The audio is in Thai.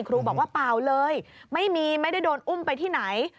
ครูบอกว่าเปล่าเลยไม่มีไม่ได้โดนอุ้มไปที่ไหน